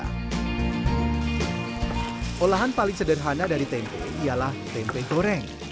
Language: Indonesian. olahan paling sederhana dari tempe ialah tempe goreng